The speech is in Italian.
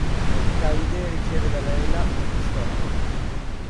Cahide riceve da Leyla una pistola.